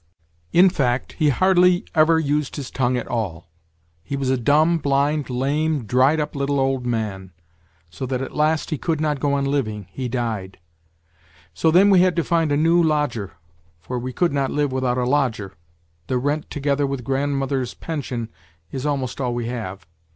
In fact, he hardly ever used his tongue at all. He was a dumb, blind, lame, dried up little old man, so that at last he could not go on living, he died ; so then we had to find a new lodger, for we could not live without a lodger the rent, together with grandmother's pension, is almost all we have.